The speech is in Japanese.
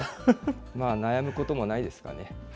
まあ悩むこともないですかね。